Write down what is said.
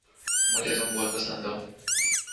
مجھے تم بہت پسند ہو